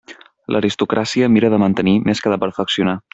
L'aristocràcia mira de mantenir més que de perfeccionar.